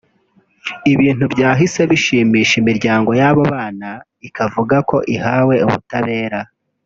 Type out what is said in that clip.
ibintu byahise bishimisha imiryango yabo bana ikavuga ko ihawe ubutabera